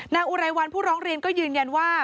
อุไรวันผู้ร้องเรียนก็ยืนยันว่า